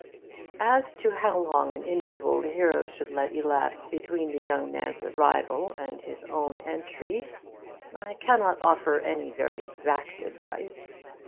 As to how long an interval the hero should let elapse between the young man's arrival and his own entry, I cannot offer any very exact advice.